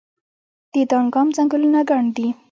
د دانګام ځنګلونه ګڼ دي